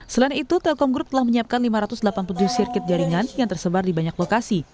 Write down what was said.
selain itu telkom group telah menyiapkan lima ratus delapan puluh tujuh sirkuit jaringan yang tersebar di banyak lokasi